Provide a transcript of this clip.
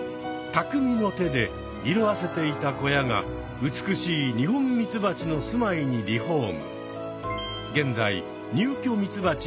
たくみの手で色あせていた小屋が美しいニホンミツバチのすまいにリフォーム。